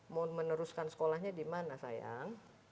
mau meneruskan sekolahnya di mana sayang